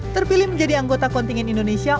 terpilih menjadi anggota kontingen indonesia